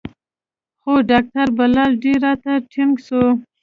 خو ډاکتر بلال ډېر راته ټينګ سو.